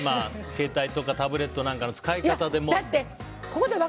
携帯とか、タブレットなんかの使い方で。